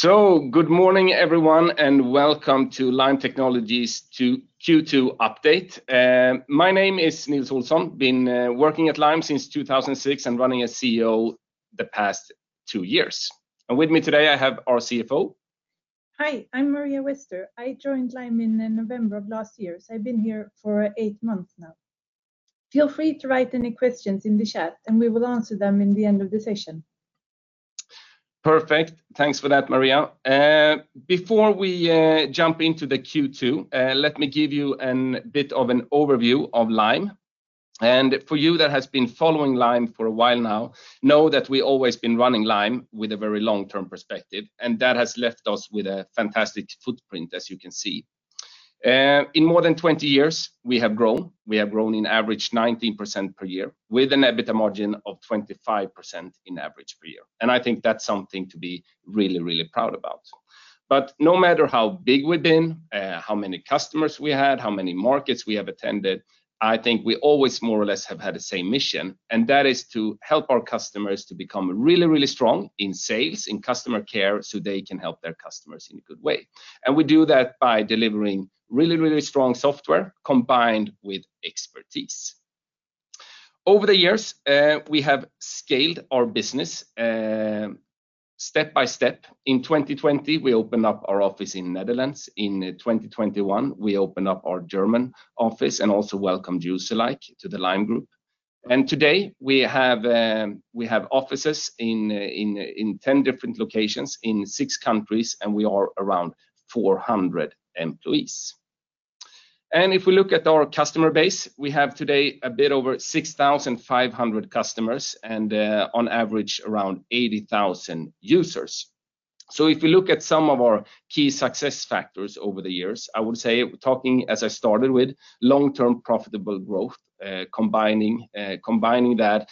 Good morning, everyone, and welcome to Lime Technologies to Q2 update. My name is Nils Olsson. Been working at Lime since 2006 and running as CEO the past two years. With me today, I have our CFO. Hi, I'm Maria Wester. I joined Lime in November of last year, so I've been here for eight months now. Feel free to write any questions in the chat, and we will answer them in the end of the session. Perfect. Thanks for that, Maria. Before we jump into the Q2, let me give you an bit of an overview of Lime. For you, that has been following Lime for a while now, know that we always been running Lime with a very long-term perspective, and that has left us with a fantastic footprint, as you can see. In more than 20 years, we have grown. We have grown in average 19% per year with an EBITDA margin of 25% in average per year. I think that's something to be really, really proud about. No matter how big we've been, how many customers we had, how many markets we have attended, I think we always more or less have had the same mission, and that is to help our customers to become really, really strong in sales, in customer care, so they can help their customers in a good way. We do that by delivering really, really strong software combined with expertise. Over the years, we have scaled our business, step by step. In 2020, we opened up our office in Netherlands. In 2021, we opened up our German office and also welcomed Userlike to the Lime Group. Today, we have offices in 10 different locations, in six countries, and we are around 400 employees. If we look at our customer base, we have today a bit over 6,500 customers and, on average, around 80,000 users. If we look at some of our key success factors over the years, I would say, talking as I started with long-term profitable growth, combining that,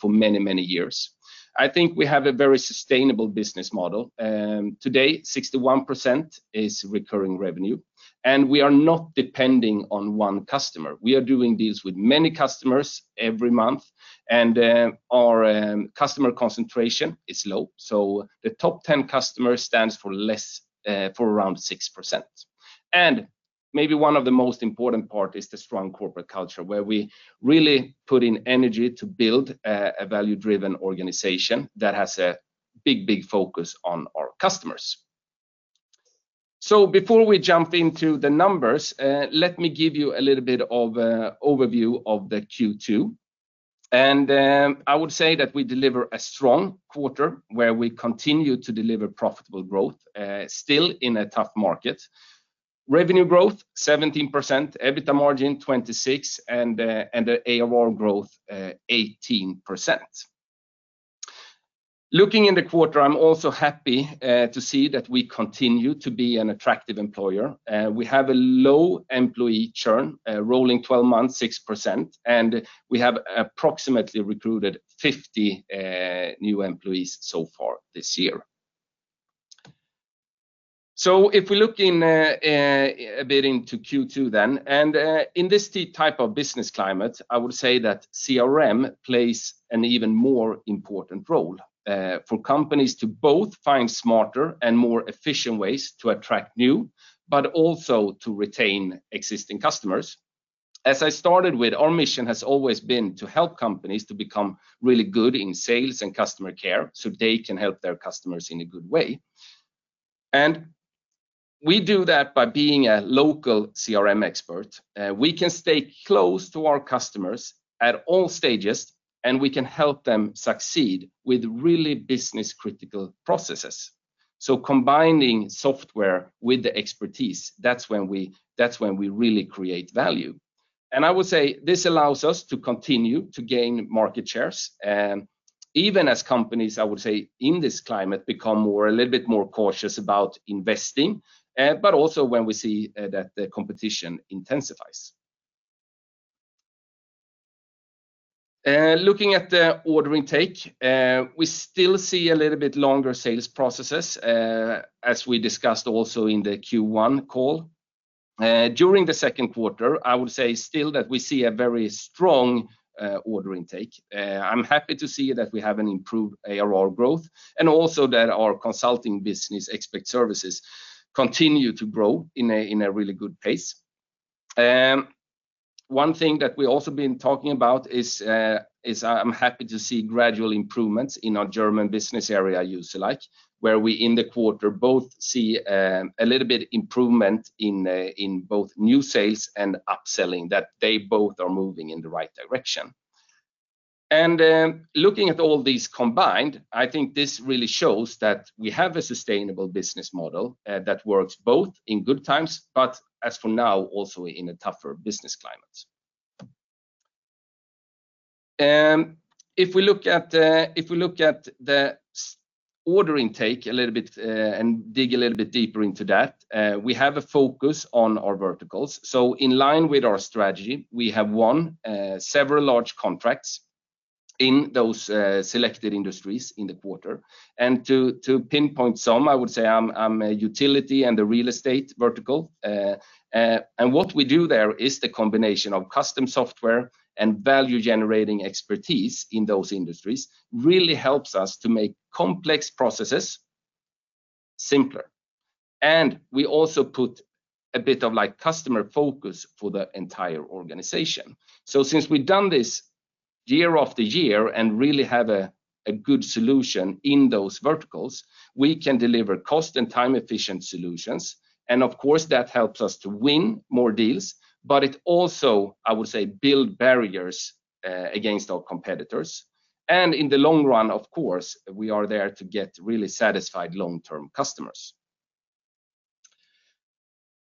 for many, many years. I think we have a very sustainable business model. Today, 61% is recurring revenue, and we are not depending on one customer. We are doing deals with many customers every month, and our customer concentration is low, so the top 10 customers stands for less, for around 6%. Maybe one of the most important part is the strong corporate culture, where we really put in energy to build a value-driven organization that has a big focus on our customers. Before we jump into the numbers, let me give you a little bit of overview of the Q2. I would say that we deliver a strong quarter where we continue to deliver profitable growth, still in a tough market. Revenue growth, 17%, EBITDA margin, 26%, and the ARR growth, 18%. Looking in the quarter, I'm also happy to see that we continue to be an attractive employer. We have a low employee churn, rolling 12 months, 6%, and we have approximately recruited 50 new employees so far this year. If we look in a bit into Q2, in this type of business climate, I would say that CRM plays an even more important role for companies to both find smarter and more efficient ways to attract new, but also to retain existing customers. As I started with, our mission has always been to help companies to become really good in sales and customer care, so they can help their customers in a good way. We do that by being a local CRM expert. We can stay close to our customers at all stages, and we can help them succeed with really business-critical processes. Combining software with the expertise, that's when we really create value. I would say this allows us to continue to gain market shares, even as companies, I would say, in this climate, become more, a little bit more cautious about investing, but also when we see that the competition intensifies. Looking at the order intake, we still see a little bit longer sales processes, as we discussed also in the Q1 call. During the second quarter, I would say still that we see a very strong order intake. I'm happy to see that we have an improved ARR growth and also that our consulting business, Expert Services, continue to grow in a really good pace. One thing that we also been talking about is I'm happy to see gradual improvements in our German business area, Userlike, where we in the quarter both see a little bit improvement in both new sales and upselling, that they both are moving in the right direction. Looking at all these combined, I think this really shows that we have a sustainable business model that works both in good times, but as for now, also in a tougher business climate. If we look at, if we look at the order intake a little bit, and dig a little bit deeper into that, we have a focus on our verticals. In line with our strategy, we have won several large contracts in those selected industries in the quarter. To pinpoint some, I would say, utility and the real estate vertical. What we do there is the combination of custom software and value-generating expertise in those industries really helps us to make complex processes simpler. We also put a bit of, like, customer focus for the entire organization. Since we've done this year after year and really have a good solution in those verticals, we can deliver cost and time-efficient solutions, and of course, that helps us to win more deals. It also, I would say, build barriers against our competitors. In the long run, of course, we are there to get really satisfied long-term customers.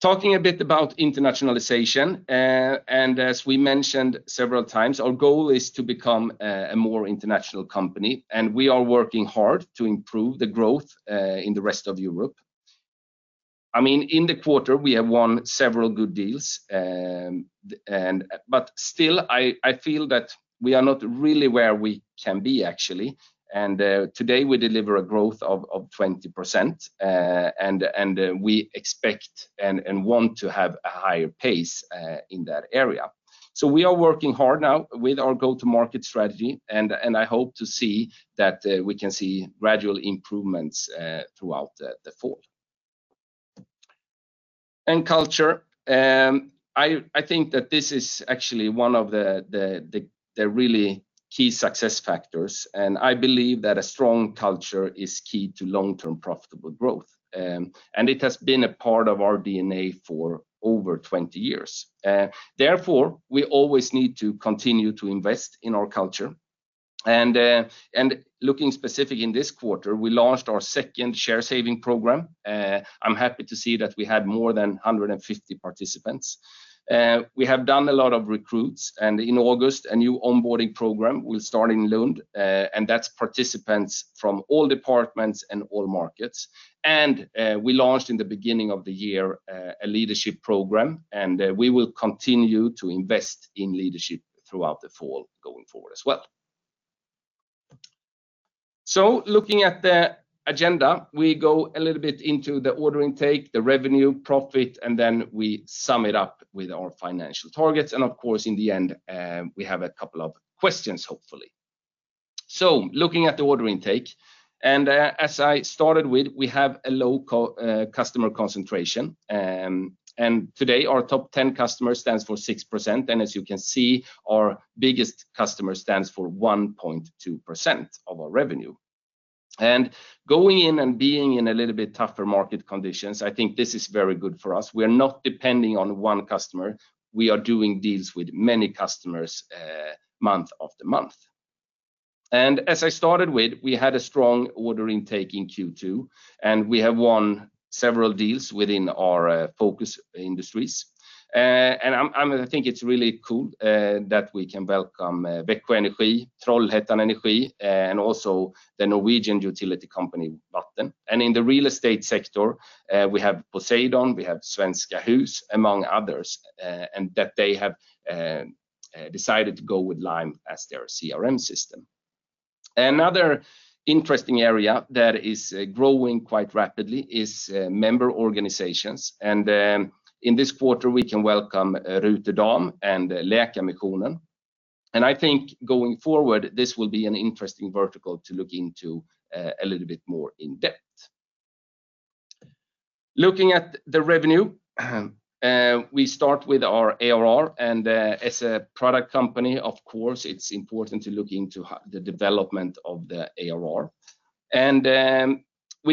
Talking a bit about internationalization, as we mentioned several times, our goal is to become a more international company, and we are working hard to improve the growth in the rest of Europe. I mean, in the quarter, we have won several good deals, but still, I feel that we are not really where we can be, actually. Today, we deliver a growth of 20%, and we expect and want to have a higher pace in that area. We are working hard now with our go-to-market strategy, and I hope to see that we can see gradual improvements throughout the fall. Culture, I think that this is actually one of the really key success factors, and I believe that a strong culture is key to long-term, profitable growth. It has been a part of our DNA for over 20 years. Therefore, we always need to continue to invest in our culture. Looking specific in this quarter, we launched our second share saving program. I'm happy to see that we had more than 150 participants. We have done a lot of recruits, and in August, a new onboarding program will start in Lund, and that's participants from all departments and all markets. We launched in the beginning of the year, a leadership program, we will continue to invest in leadership throughout the fall going forward as well. Looking at the agenda, we go a little bit into the order intake, the revenue, profit, and then we sum it up with our financial targets. Of course, in the end, we have a couple of questions, hopefully. Looking at the order intake, as I started with, we have a low customer concentration. Today, our top 10 customers stands for 6%, and as you can see, our biggest customer stands for 1.2% of our revenue. Going in and being in a little bit tougher market conditions, I think this is very good for us. We are not depending on one customer. We are doing deals with many customers, month after month. As I started with, we had a strong order intake in Q2, and we have won several deals within our focus industries. I think it's really cool that we can welcome Växjö Energi, Trollhättan Energi, and also the Norwegian utility company, Vattenfall. In the real estate sector, we have Poseidon, we have Svenska Hus, among others, and that they have decided to go with Lime as their CRM system. Another interesting area that is growing quite rapidly is member organizations. In this quarter, we can welcome Ruter Dam and Läkarmissionen. I think going forward, this will be an interesting vertical to look into a little bit more in-depth. Looking at the revenue, we start with our ARR, and as a product company, of course, it's important to look into the development of the ARR. We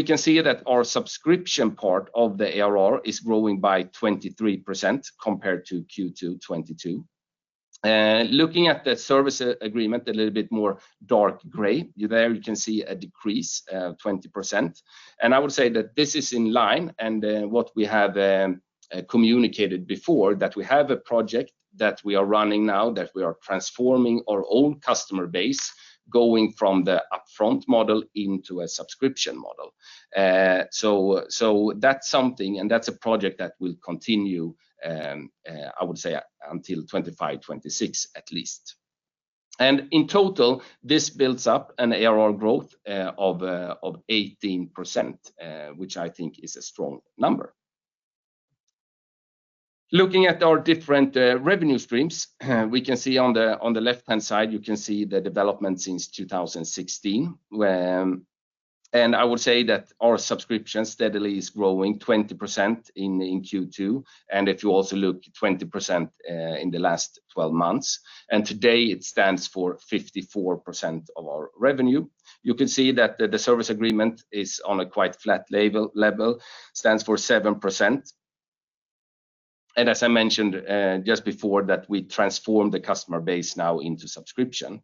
can see that our subscription part of the ARR is growing by 23% compared to Q2 2022. Looking at the service agreement, a little bit more dark gray, there you can see a decrease of 20%. I would say that this is in line and what we have communicated before, that we have a project that we are running now, that we are transforming our own customer base, going from the upfront model into a subscription model. So that's something, and that's a project that will continue, I would say, until 2025, 2026, at least. In total, this builds up an ARR growth of 18%, which I think is a strong number. Looking at our different revenue streams, we can see on the left-hand side, you can see the development since 2016, and I would say that our subscription steadily is growing 20% in Q2. If you also look, 20% in the last 12 months, and today it stands for 54% of our revenue. You can see that the service agreement is on a quite flat level, stands for 7%. As I mentioned just before, that we transformed the customer base now into subscription.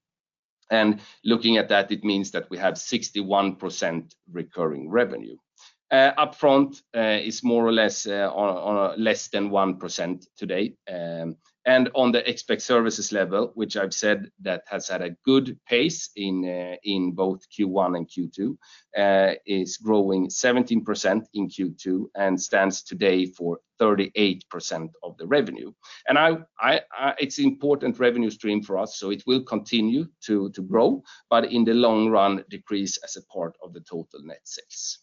Looking at that, it means that we have 61% recurring revenue. Upfront is more or less less than 1% today. On the Expert Services level, which I've said that has had a good pace in both Q1 and Q2, is growing 17% in Q2 and stands today for 38% of the revenue. I, it's an important revenue stream for us, so it will continue to grow, but in the long run, decrease as a part of the total net sales.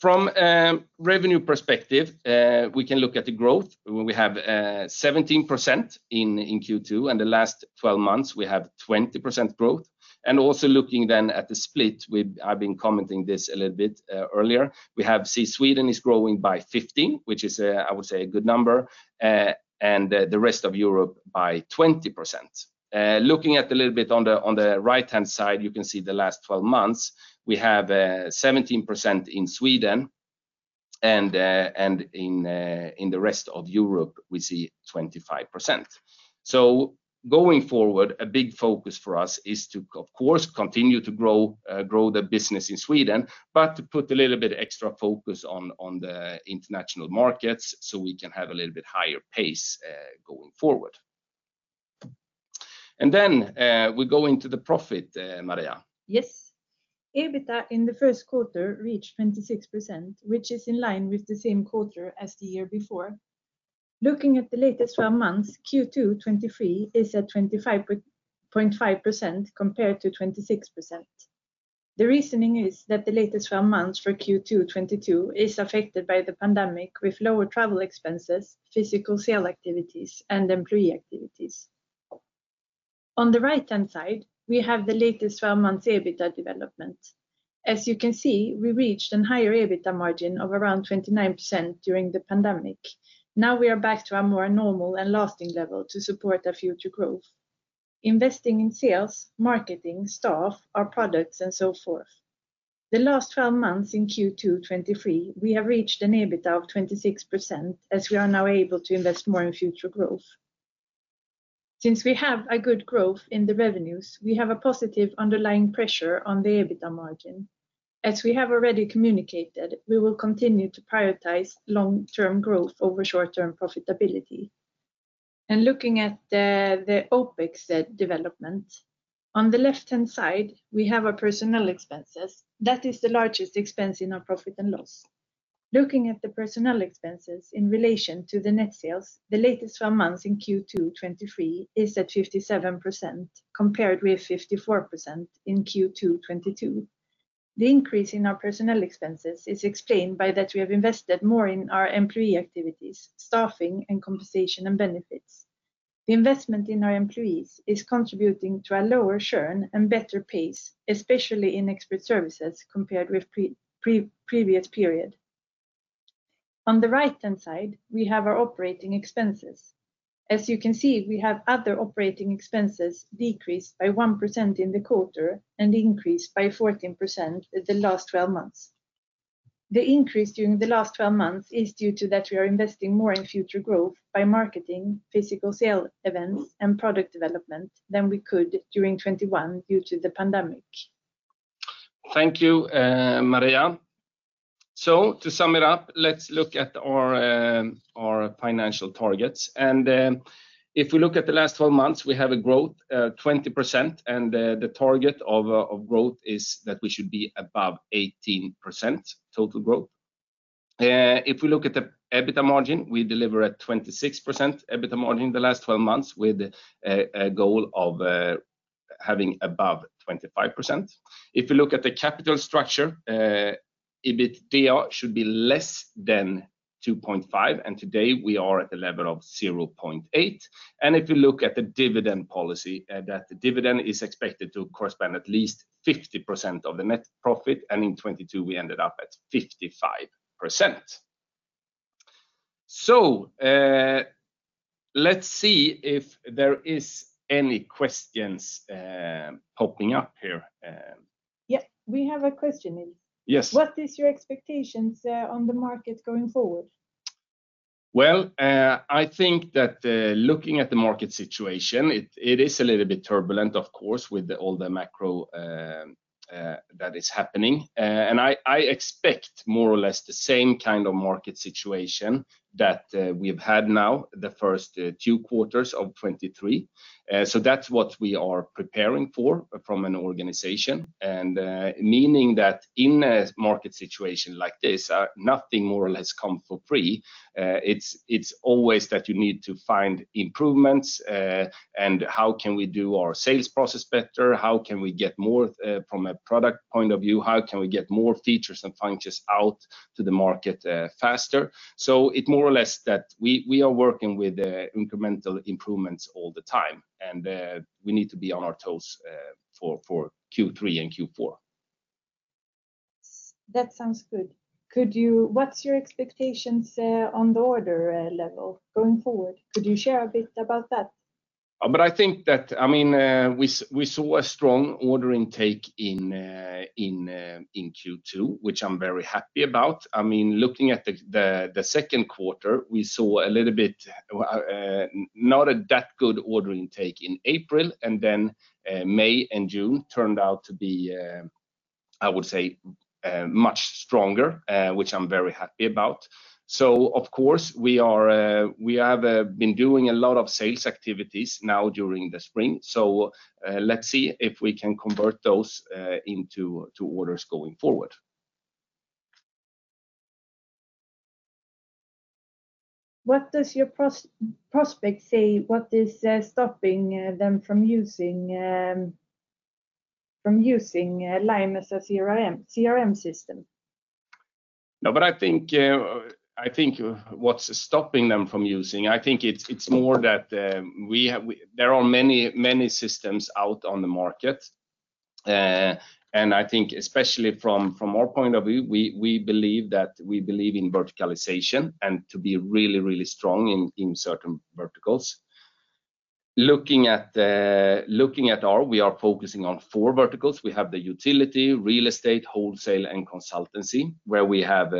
From a revenue perspective, we can look at the growth. We have 17% in Q2, and the last 12 months, we have 20% growth. Also looking then at the split. I've been commenting this a little bit earlier. We have see Sweden is growing by 15, which is, I would say, a good number, and the rest of Europe by 20%. Looking at a little bit on the, on the right-hand side, you can see the last 12 months, we have, 17% in Sweden, and in the rest of Europe, we see 25%. Going forward, a big focus for us is to, of course, continue to grow the business in Sweden, but to put a little bit extra focus on the international markets, so we can have a little bit higher pace, going forward. We go into the profit, Maria. Yes. EBITDA in the first quarter reached 26%, which is in line with the same quarter as the year before. Looking at the latest 12 months, Q2 2023 is at 25.5%, compared to 26%. The reasoning is that the latest 12 months for Q2 2022 is affected by the pandemic, with lower travel expenses, physical sale activities, and employee activities. On the right-hand side, we have the latest 12 months EBITDA development. As you can see, we reached a higher EBITDA margin of around 29% during the pandemic. We are back to a more normal and lasting level to support our future growth, investing in sales, marketing, staff, our products, and so forth. The last 12 months in Q2 2023, we have reached an EBITDA of 26%, as we are now able to invest more in future growth. Since we have a good growth in the revenues, we have a positive underlying pressure on the EBITDA margin. As we have already communicated, we will continue to prioritize long-term growth over short-term profitability. Looking at the OPEX development, on the left-hand side, we have our personnel expenses. That is the largest expense in our profit and loss. Looking at the personnel expenses in relation to the net sales, the latest 12 months in Q2 2023 is at 57%, compared with 54% in Q2 2022. The increase in our personnel expenses is explained by that we have invested more in our employee activities, staffing, and compensation and benefits. The investment in our employees is contributing to a lower churn and better pace, especially in Expert Services, compared with pre-pre-previous period. On the right-hand side, we have our operating expenses. As you can see, we have other operating expenses decreased by 1% in the quarter and increased by 14% in the last 12 months. The increase during the last 12 months is due to that we are investing more in future growth by marketing, physical sale events, and product development than we could during 2021 due to the pandemic. Thank you, Maria. To sum it up, let's look at our financial targets. If we look at the last 12 months, we have a growth, 20%, and the target of growth is that we should be above 18% total growth. If we look at the EBITDA margin, we deliver at 26% EBITDA margin the last 12 months, with a goal of having above 25%. If you look at the capital structure, EBITDA should be less than 2.5, and today we are at a level of 0.8. If you look at the dividend policy, that the dividend is expected to correspond at least 50% of the net profit, and in 2022, we ended up at 55%. Let's see if there is any questions popping up here. Yeah, we have a question, Nils. Yes. What is your expectations, on the market going forward? Well, I think that, looking at the market situation, it is a little bit turbulent, of course, with all the macro, that is happening. I expect more or less the same kind of market situation that, we've had now, the first, two quarters of 2023. That's what we are preparing for from an organization, and meaning that in a market situation like this, nothing more or less come for free. It's always that you need to find improvements. How can we do our sales process better? How can we get more, from a product point of view? How can we get more features and functions out to the market, faster? It more or less that we are working with incremental improvements all the time, and we need to be on our toes for Q3 and Q4. That sounds good. What's your expectations on the order level going forward? Could you share a bit about that? I think that, I mean, we saw a strong order intake in Q2, which I'm very happy about. I mean, looking at the second quarter, we saw a little bit not a that good order intake in April, and then May and June turned out to be, I would say, much stronger, which I'm very happy about. Of course, we are, we have been doing a lot of sales activities now during the spring, so let's see if we can convert those into, to orders going forward. What does your prospect say? What is stopping them from using Lime as a CRM system? I think, I think what's stopping them from using, I think it's more that, there are many, many systems out on the market. I think especially from our point of view, we believe that we believe in verticalization and to be really, really strong in certain verticals. Looking at, looking at our, we are focusing on four verticals. We have the utility, real estate, wholesale, and consultancy, where we have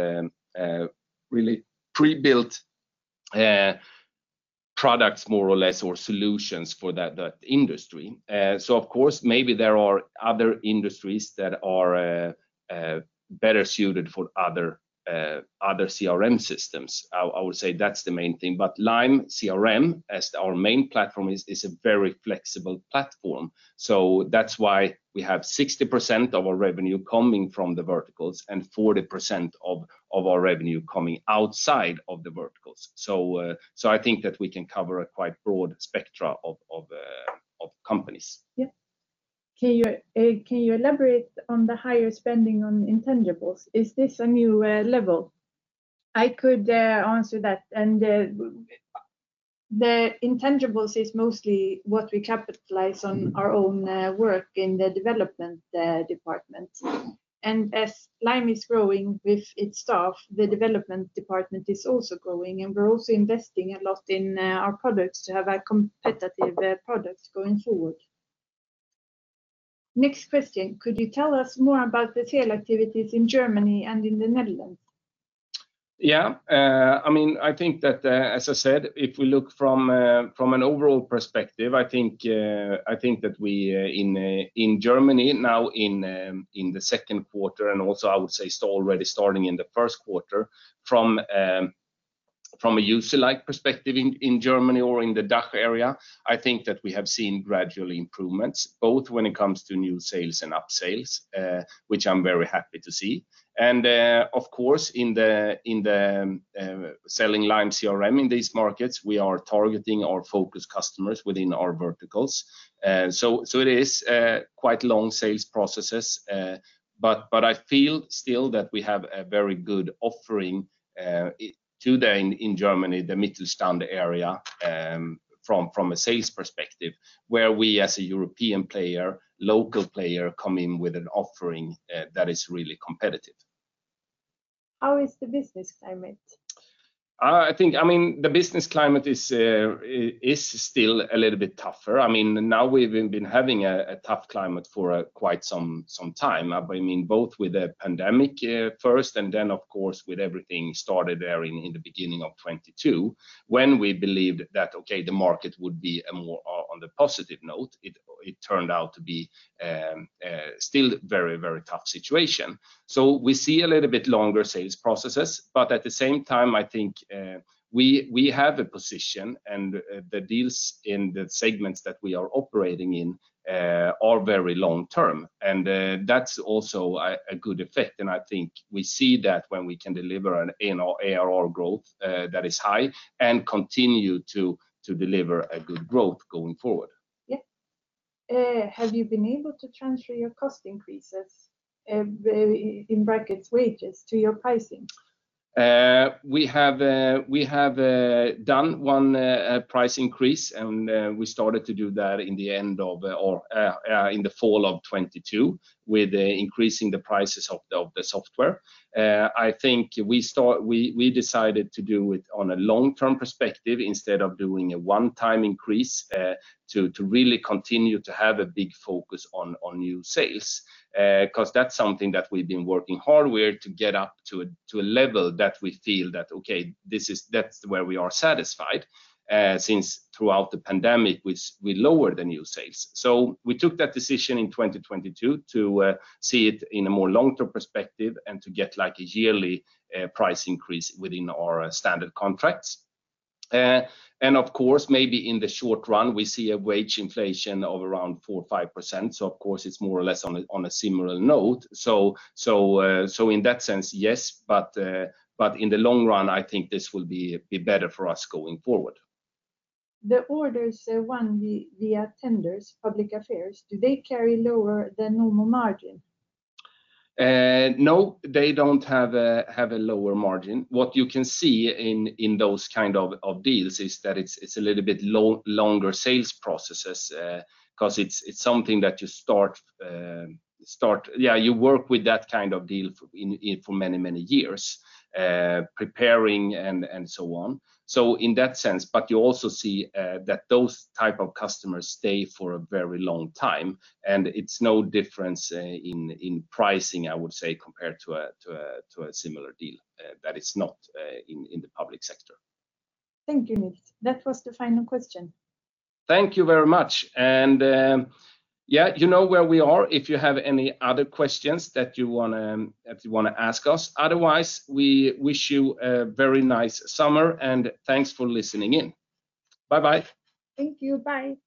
really pre-built products, more or less, or solutions for that industry. Of course, maybe there are other industries that are better suited for other CRM systems. I would say that's the main thing, but Lime CRM, as our main platform, is a very flexible platform. That's why we have 60% of our revenue coming from the verticals and 40% of our revenue coming outside of the verticals. I think that we can cover a quite broad spectra of companies. Yeah. Can you, can you elaborate on the higher spending on intangibles? Is this a new level? I could answer that. The intangibles is mostly what we capitalize on our own work in the development department. As Lime is growing with its staff, the development department is also growing, and we're also investing a lot in our products to have a competitive products going forward. Next question: Could you tell us more about the sale activities in Germany and in the Netherlands? Yeah. I mean, I think that, as I said, if we look from an overall perspective, I think that we in Germany now in the second quarter, and also I would say it's already starting in the first quarter, from a Userlike perspective in Germany or in the DACH area, I think that we have seen gradual improvements, both when it comes to new sales and upsales, which I'm very happy to see. Of course, in the selling Lime CRM in these markets, we are targeting our focus customers within our verticals. It is quite long sales processes. I feel still that we have a very good offering, today in Germany, the Mittelstand area, from a sales perspective, where we, as a European player, local player, come in with an offering, that is really competitive. How is the business climate? I think, I mean, the business climate is still a little bit tougher. I mean, now we've been having a tough climate for quite some time. I mean, both with the pandemic first, and then, of course, with everything started there in the beginning of 2022, when we believed that, okay, the market would be more on the positive note. It turned out to be still very tough situation. We see a little bit longer sales processes, but at the same time, I think, we have a position, and the deals in the segments that we are operating in are very long term, and that's also a good effect. I think we see that when we can deliver an ARR growth, that is high and continue to deliver a good growth going forward. Yeah. Have you been able to transfer your cost increases, in brackets, wages, to your pricing? We have done one price increase. We started to do that in the end of or in the fall of 2022, with increasing the prices of the software. I think we decided to do it on a long-term perspective instead of doing a one-time increase to really continue to have a big focus on new sales. 'Cause that's something that we've been working hard. We're to get up to a level that we feel that, okay, this is that's where we are satisfied, since throughout the pandemic, we lowered the new sales. We took that decision in 2022 to see it in a more long-term perspective and to get, like, a yearly price increase within our standard contracts. Of course, maybe in the short run, we see a wage inflation of around 4-5%, so of course, it's more or less on a similar note. In that sense, yes, but in the long run, I think this will be better for us going forward. The orders, won via tenders, public affairs, do they carry lower than normal margin? No, they don't have a lower margin. What you can see in those kind of deals is that it's a little bit longer sales processes, 'cause it's something that you start. Yeah, you work with that kind of deal in for many years, preparing and so on. In that sense, you also see that those type of customers stay for a very long time, and it's no difference in pricing, I would say, compared to a similar deal that is not in the public sector. Thank you, Nils. That was the final question. Thank you very much. Yeah, you know where we are if you have any other questions that you wanna ask us. Otherwise, we wish you a very nice summer, and thanks for listening in. Bye-bye. Thank you. Bye.